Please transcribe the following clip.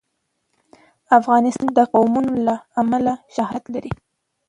افغانستان د قومونه له امله شهرت لري.